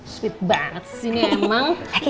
sweet banget sih ini emang